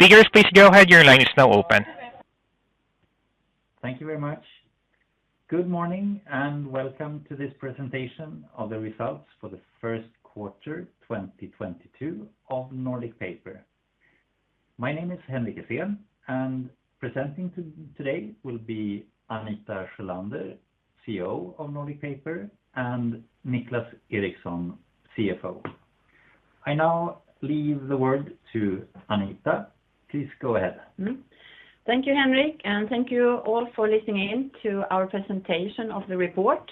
Speakers, please go ahead. Your line is now open. Thank you very much. Good morning, and welcome to this presentation of the results for the Q1 2022 of Nordic Paper. My name is Henrik Essén, and presenting today will be Anita Sjölander, CEO of Nordic Paper, and Niclas Eriksson, CFO. I now leave the word to Anita. Please go ahead. Thank you, Henrik, and thank you all for listening in to our presentation of the report.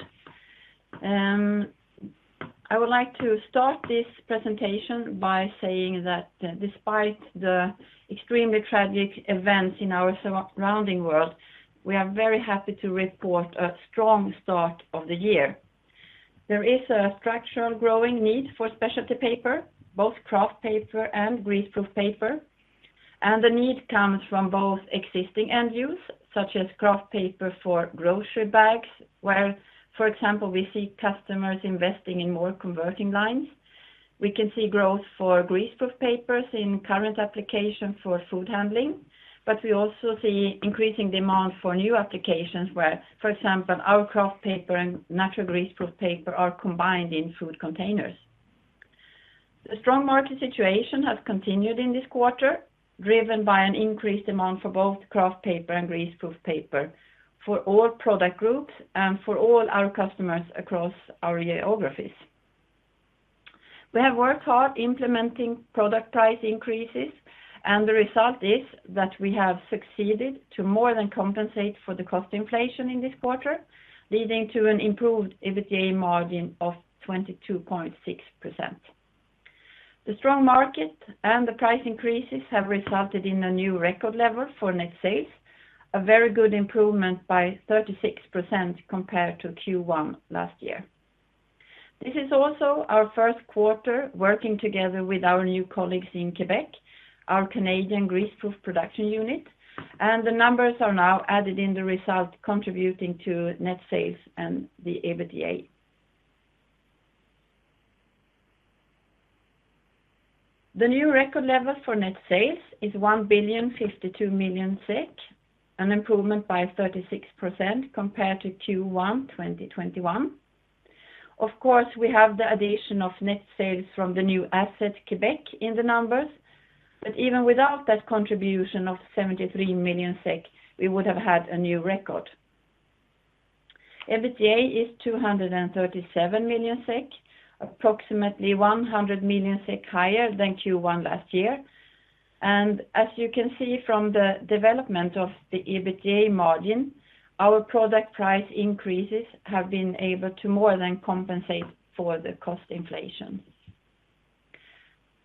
I would like to start this presentation by saying that despite the extremely tragic events in our surrounding world, we are very happy to report a strong start of the year. There is a structural growing need for specialty paper, both kraft paper and greaseproof paper, and the need comes from both existing end use, such as kraft paper for grocery bags, where, for example, we see customers investing in more converting lines. We can see growth for greaseproof papers in current application for food handling, but we also see increasing demand for new applications where, for example, our kraft paper and natural greaseproof paper are combined in food containers. The strong market situation has continued in this quarter, driven by an increased demand for both kraft paper and greaseproof paper for all product groups and for all our customers across our geographies. We have worked hard implementing product price increases, and the result is that we have succeeded to more than compensate for the cost inflation in this quarter, leading to an improved EBITDA margin of 22.6%. The strong market and the price increases have resulted in a new record level for net sales, a very good improvement by 36% compared to Q1 last year. This is also our Q1 working together with our new colleagues in Québec, our Canadian greaseproof production unit, and the numbers are now added in the result contributing to net sales and the EBITDA. The new record level for net sales is 1,052 million SEK, an improvement by 36% compared to Q1 2021. Of course, we have the addition of net sales from the new asset Québec in the numbers, but even without that contribution of 73 million SEK, we would have had a new record. EBITDA is 237 million SEK, approximately 100 million SEK higher than Q1 last year. As you can see from the development of the EBITDA margin, our product price increases have been able to more than compensate for the cost inflation.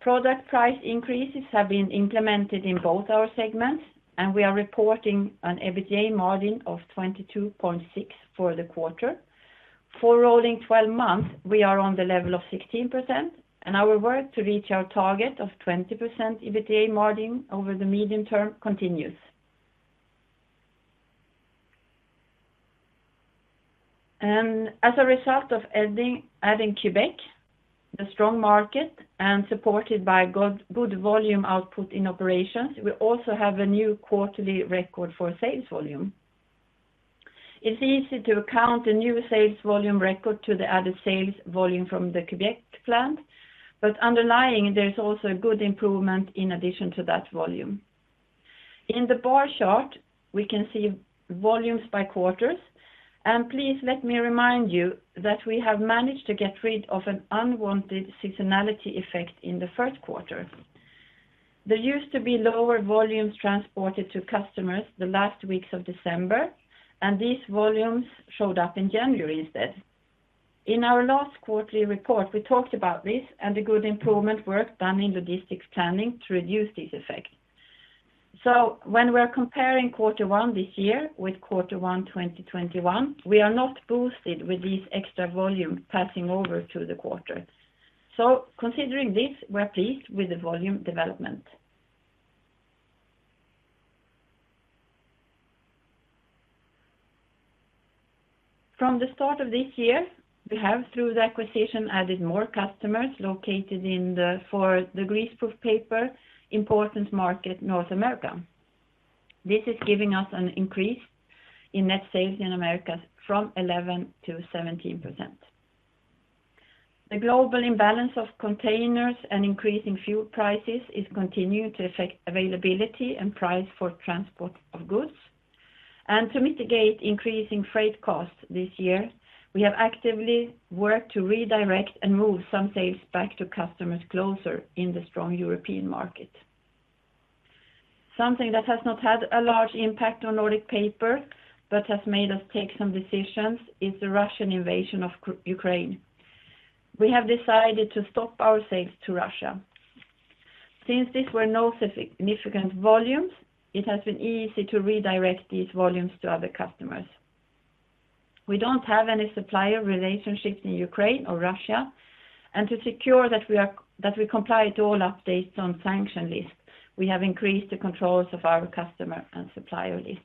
Product price increases have been implemented in both our segments, and we are reporting an EBITDA margin of 22.6% for the quarter. For rolling twelve months, we are on the level of 16%, and our work to reach our target of 20% EBITDA margin over the medium term continues. As a result of adding Québec, the strong market and supported by good volume output in operations, we also have a new quarterly record for sales volume. It's easy to attribute the new sales volume record to the added sales volume from the Québec plant, but underlying, there's also a good improvement in addition to that volume. In the bar chart, we can see volumes by quarters, and please let me remind you that we have managed to get rid of an unwanted seasonality effect in the Q1. There used to be lower volumes transported to customers the last weeks of December, and these volumes showed up in January instead. In our last quarterly report, we talked about this and the good improvement work done in logistics planning to reduce this effect. When we're comparing quarter one this year with quarter one 2021, we are not boosted with these extra volume passing over to the quarter. Considering this, we're pleased with the volume development. From the start of this year, we have, through the acquisition, added more customers located in the, for the greaseproof paper important market North America. This is giving us an increase in net sales in America from 11%-17%. The global imbalance of containers and increasing fuel prices is continuing to affect availability and price for transport of goods. To mitigate increasing freight costs this year, we have actively worked to redirect and move some sales back to customers closer in the strong European market. Something that has not had a large impact on Nordic Paper, but has made us take some decisions, is the Russian invasion of Ukraine. We have decided to stop our sales to Russia. Since these were no significant volumes, it has been easy to redirect these volumes to other customers. We don't have any supplier relationships in Ukraine or Russia, and to secure that we comply to all updates on sanction lists, we have increased the controls of our customer and supplier list.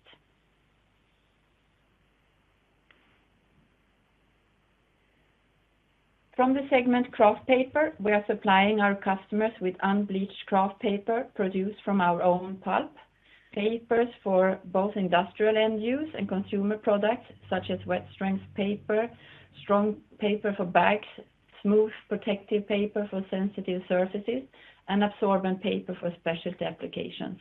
From the segment kraft paper, we are supplying our customers with unbleached kraft paper produced from our own pulp, papers for both industrial end use and consumer products, such as wet strength paper, strong paper for bags, smooth protective paper for sensitive surfaces, and absorbent paper for specialty applications.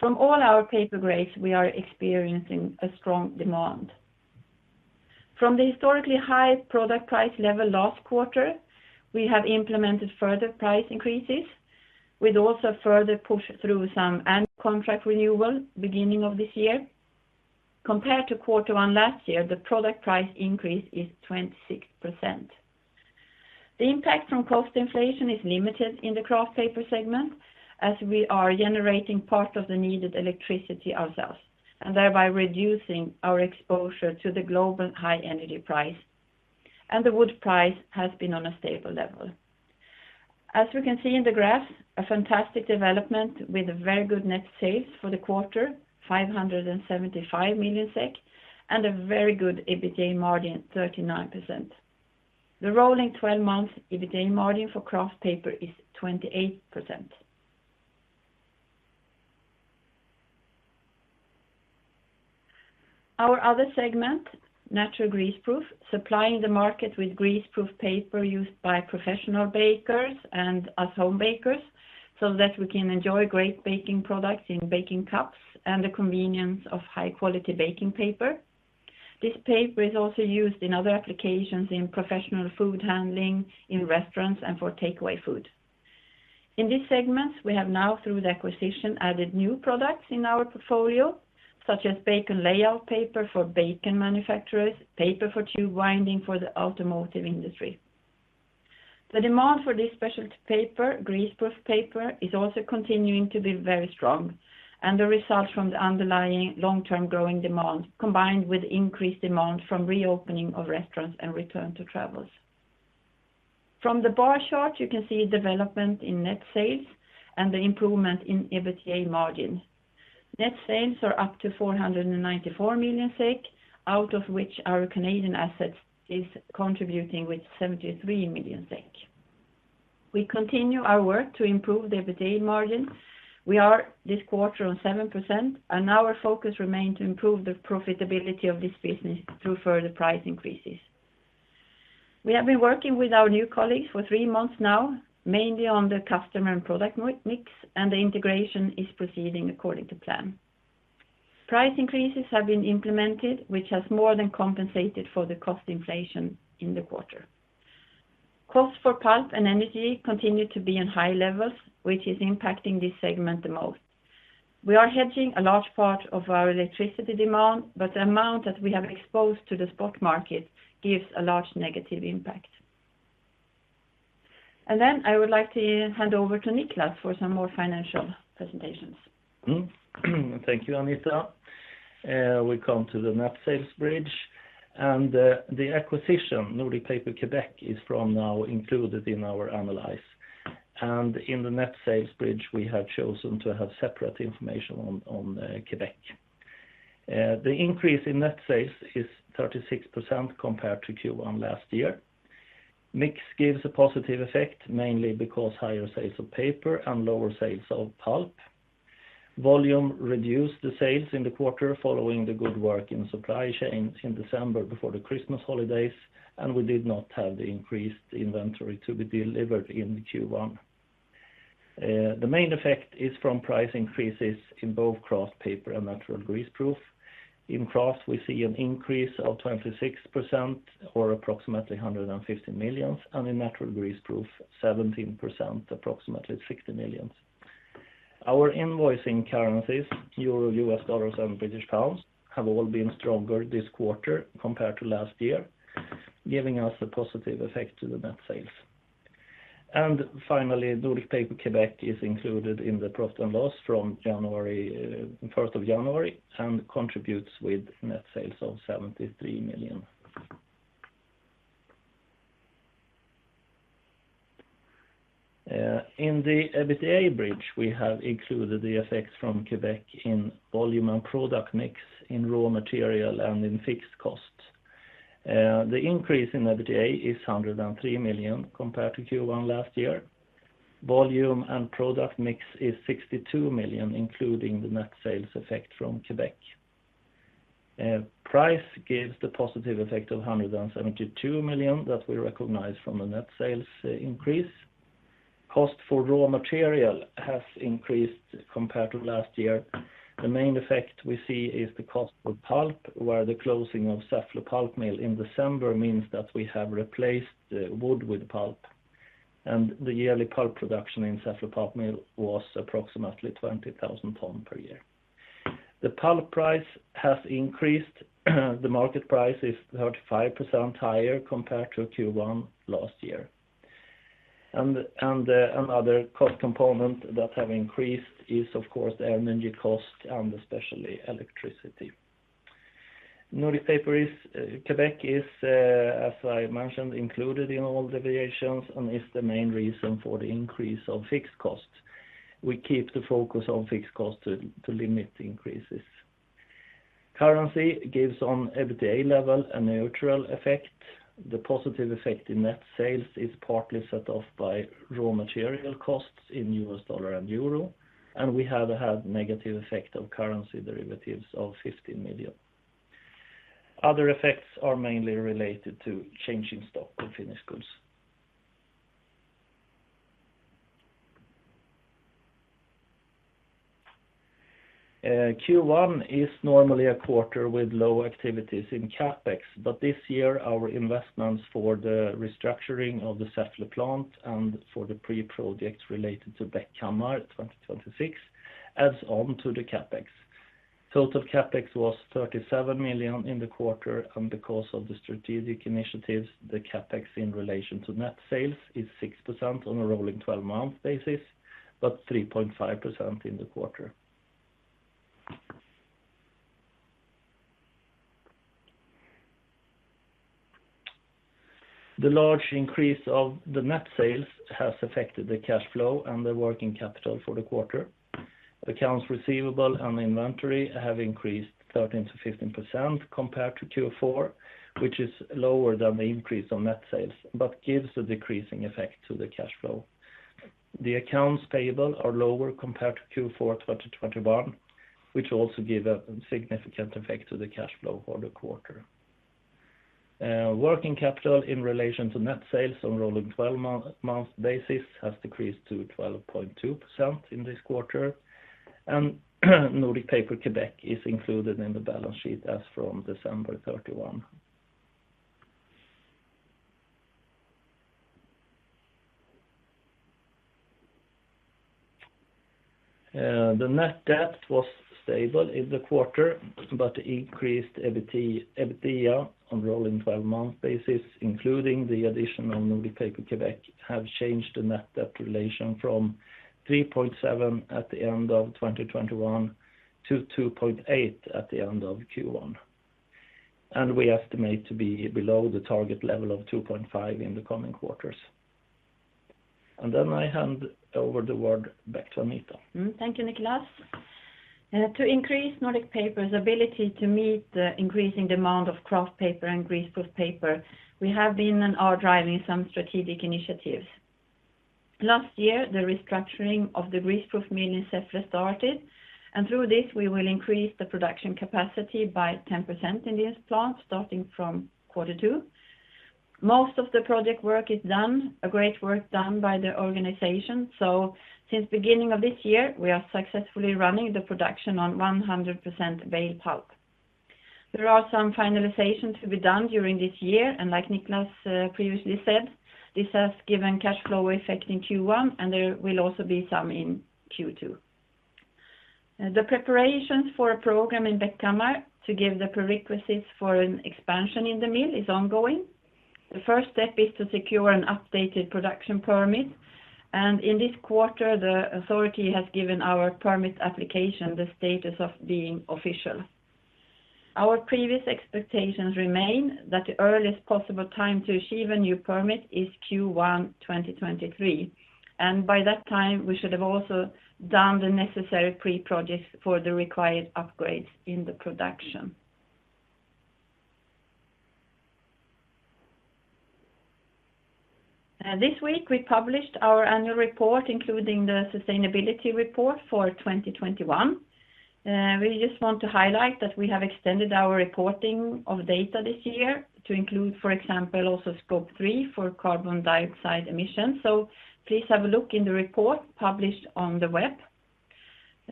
From all our paper grades, we are experiencing a strong demand. From the historically high product price level last quarter, we have implemented further price increases, with also further push through some annual contract renewal beginning of this year. Compared to quarter one last year, the product price increase is 26%. The impact from cost inflation is limited in the kraft paper segment, as we are generating part of the needed electricity ourselves, and thereby reducing our exposure to the global high energy price, and the wood price has been on a stable level. As we can see in the graph, a fantastic development with very good net sales for the quarter, 575 million SEK, and a very good EBITDA margin, 39%. The rolling twelve months EBITDA margin for kraft paper is 28%. Our other segment, Natural Greaseproof, supplying the market with greaseproof paper used by professional bakers and us home bakers, so that we can enjoy great baking products in baking cups and the convenience of high quality baking paper. This paper is also used in other applications in professional food handling, in restaurants, and for takeaway food. In this segment, we have now, through the acquisition, added new products in our portfolio, such as bacon layout paper for bacon manufacturers, paper for tube winding for the automotive industry. The demand for this specialty paper, greaseproof paper, is also continuing to be very strong, and the results from the underlying long-term growing demand, combined with increased demand from reopening of restaurants and return to travels. From the bar chart, you can see development in net sales and the improvement in EBITDA margin. Net sales are up to 494 million SEK, out of which our Canadian assets is contributing with 73 million SEK. We continue our work to improve the EBITDA margin. We are this quarter on 7%, and our focus remains to improve the profitability of this business through further price increases. We have been working with our new colleagues for three months now, mainly on the customer and product mix, and the integration is proceeding according to plan. Price increases have been implemented, which has more than compensated for the cost inflation in the quarter. Costs for pulp and energy continue to be in high levels, which is impacting this segment the most. We are hedging a large part of our electricity demand, but the amount that we have exposed to the spot market gives a large negative impact. I would like to hand over to Niclas for some more financial presentations. Thank you, Anita. We come to the net sales bridge, and the acquisition, Nordic Paper Québec, is from now included in our analysis. In the net sales bridge, we have chosen to have separate information on Québec. The increase in net sales is 36% compared to Q1 last year. Mix gives a positive effect, mainly because higher sales of paper and lower sales of pulp. Volume reduced the sales in the quarter following the good work in supply chains in December before the Christmas holidays, and we did not have the increased inventory to be delivered in Q1. The main effect is from price increases in both kraft paper and Natural Greaseproof. In kraft, we see an increase of 26% or approximately 150 million, and in Natural Greaseproof, 17%, approximately 60 million. Our invoicing currencies, euro, US dollars, and British pounds, have all been stronger this quarter compared to last year, giving us a positive effect to the net sales. Finally, Nordic Paper Québec is included in the profit and loss from January, first of January, and contributes with net sales of 73 million. In the EBITDA bridge, we have included the effects from Québec in volume and product mix, in raw material, and in fixed costs. The increase in EBITDA is 103 million compared to Q1 last year. Volume and product mix is 62 million, including the net sales effect from Québec. Price gives the positive effect of 172 million that we recognize from the net sales increase. Cost for raw material has increased compared to last year. The main effect we see is the cost of pulp, where the closing of Säffle pulp mill in December means that we have replaced wood with pulp. The yearly pulp production in Säffle pulp mill was approximately 20,000 tons per year. The pulp price has increased. The market price is 35% higher compared to Q1 last year. Another cost component that have increased is, of course, the energy cost, and especially electricity. Nordic Paper Québec is, as I mentioned, included in all deviations and is the main reason for the increase of fixed costs. We keep the focus on fixed costs to limit increases. Currency gives on EBITDA level a neutral effect. The positive effect in net sales is partly set off by raw material costs in US dollar and euro, and we have had negative effect of currency derivatives of 15 million. Other effects are mainly related to changing stock in finished goods. Q1 is normally a quarter with low activities in CapEx, but this year our investments for the restructuring of the Säffle plant and for the pre-project related to Bäckhammar 2026 adds on to the CapEx. Total CapEx was 37 million in the quarter, and because of the strategic initiatives, the CapEx in relation to net sales is 6% on a rolling twelve month basis, but 3.5% in the quarter. The large increase of the net sales has affected the cash flow and the working capital for the quarter. Accounts receivable and inventory have increased 13%-15% compared to Q4, which is lower than the increase on net sales, but gives a decreasing effect to the cash flow. The accounts payable are lower compared to Q4 2021, which also give a significant effect to the cash flow for the quarter. Working capital in relation to net sales on rolling twelve-month basis has decreased to 12.2% in this quarter. Nordic Paper Québec is included in the balance sheet as from December 31. The net debt was stable in the quarter, but increased EBITDA on rolling twelve-month basis, including the addition of Nordic Paper Québec, have changed the net debt relation from 3.7 at the end of 2021 to 2.8 at the end of Q1. We estimate to be below the target level of 2.5% in the coming quarters. Then I hand over the word back to Anita. Thank you, Niclas. To increase Nordic Paper's ability to meet the increasing demand of kraft paper and greaseproof paper, we have been and are driving some strategic initiatives. Last year, the restructuring of the greaseproof mill in Säffle started, and through this, we will increase the production capacity by 10% in this plant, starting from quarter two. Most of the project work is done, a great work done by the organization. Since beginning of this year, we are successfully running the production on 100% bale pulp. There are some finalization to be done during this year. Like Niclas, previously said, this has given cash flow effect in Q1, and there will also be some in Q2. The preparations for a program in Bäckhammar to give the prerequisites for an expansion in the mill is ongoing. The first step is to secure an updated production permit, and in this quarter, the authority has given our permit application the status of being official. Our previous expectations remain that the earliest possible time to achieve a new permit is Q1 2023, and by that time, we should have also done the necessary pre-projects for the required upgrades in the production. This week, we published our annual report, including the sustainability report for 2021. We just want to highlight that we have extended our reporting of data this year to include, for example, also Scope 3 for carbon dioxide emissions. Please have a look in the report published on the web.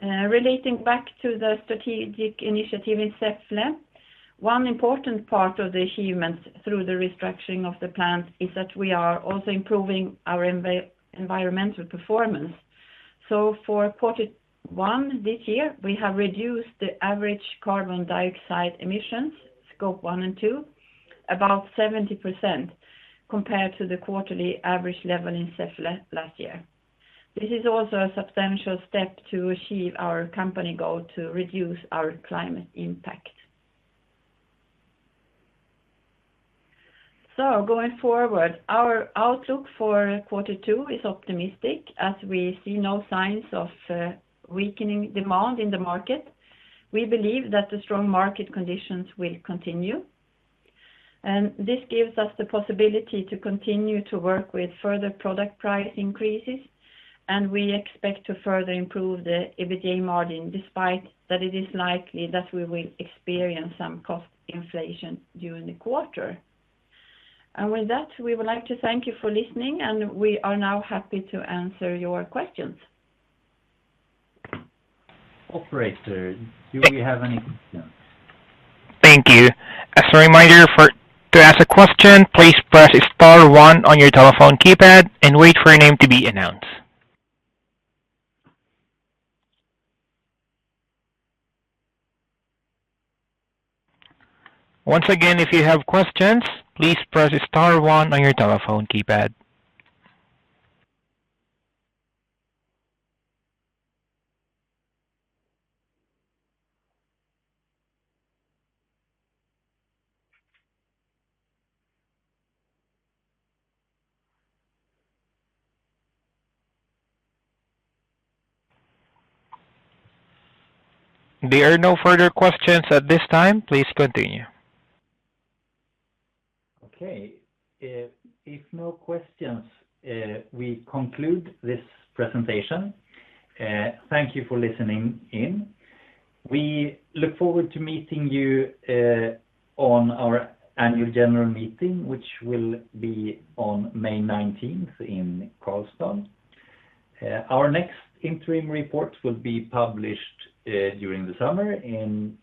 Relating back to the strategic initiative in Säffle, one important part of the achievements through the restructuring of the plant is that we are also improving our environmental performance. For quarter one this year, we have reduced the average carbon dioxide emissions, Scope 1 and 2, about 70% compared to the quarterly average level in Säffle last year. This is also a substantial step to achieve our company goal to reduce our climate impact. Going forward, our outlook for quarter two is optimistic as we see no signs of weakening demand in the market. We believe that the strong market conditions will continue. This gives us the possibility to continue to work with further product price increases, and we expect to further improve the EBITDA margin despite that it is likely that we will experience some cost inflation during the quarter. With that, we would like to thank you for listening, and we are now happy to answer your questions. Operator, do we have any questions? Thank you. As a reminder, to ask a question, please press star one on your telephone keypad and wait for your name to be announced. Once again, if you have questions, please press star one on your telephone keypad. There are no further questions at this time. Please continue. Okay. If no questions, we conclude this presentation. Thank you for listening in. We look forward to meeting you on our annual general meeting, which will be on May 19th Karlstad. Our next interim report will be published during the summer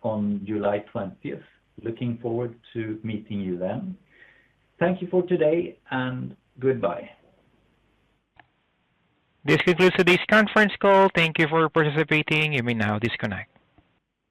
on July 20th. Looking forward to meeting you then. Thank you for today, and goodbye. This concludes today's conference call. Thank you for participating. You may now disconnect.